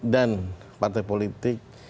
dan partai politik